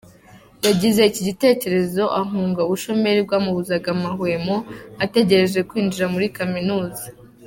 Yagize iki gitekerezo ahunga ubushomeri bwamubuzaga amahwemo ategereje kwinjira muri Kaminuza.